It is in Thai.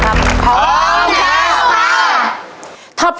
รับทุน๔ข้อ